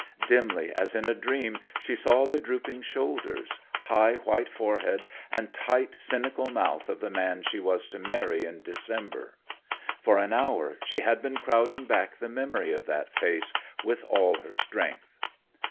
Dimly, as in a dream, she saw the drooping shoulders, high white forehead and tight, cynical mouth of the man she was to marry in December. For an hour she had been crowding back the memory of that face with all her strength.